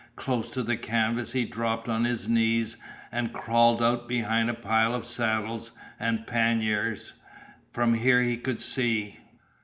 Close to the canvas he dropped on his knees and crawled out behind a pile of saddles and panniers. From here he could see.